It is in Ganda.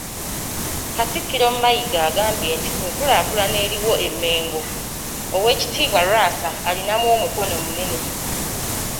Katikkiro Mayiga agambye nti ku nkulaakulana eriwo e Mmengo, Oweekitiibwa Lwasa alinamu omukono munene .